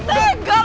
tega lu ya